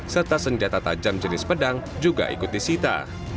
serta senjata tajam jenis pedang juga ikut disita